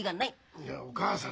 いやお義母さん